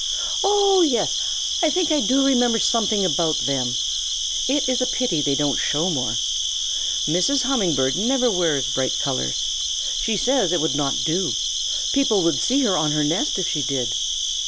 "Oh yes! I think I do remember something about them. It is a pity they don't show more. Mrs. Humming Bird never wears bright colors. She says it would not do. People would see her on her nest if she did.